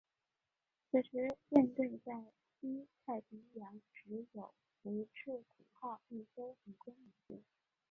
此时舰队在西太平洋只有福治谷号一艘航空母舰。